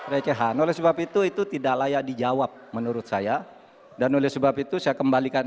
recehan oleh sebab itu itu tidak layak dijawab menurut saya dan oleh sebab itu saya kembalikan